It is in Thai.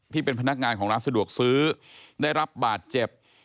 ที่เป็นพนักงานของร้านสะดวกซื้อได้รับบาดเจ็บ